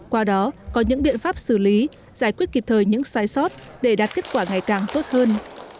qua đó có những biện pháp xử lý giải quyết kịp thời những sai sót để đạt kết quả ngày càng tốt hơn